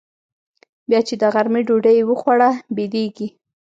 بيا چې د غرمې ډوډۍ يې وخوړه بيدېږي.